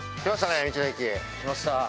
来ました。